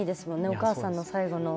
お母さんの最後の。